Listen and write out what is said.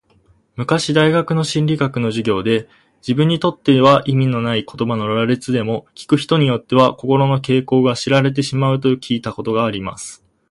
昔大学の心理学の授業で、自分にとっては意味のない言葉の羅列でも、聞く人によっては、心の傾向が知られてしまうと聞いたことがあります。